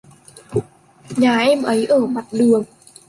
Nhà em khi ấy ở mặt đường